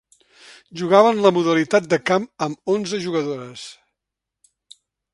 Jugaven la modalitat de camp amb onze jugadores.